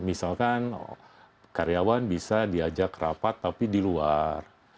misalkan karyawan bisa diajak rapat tapi di luar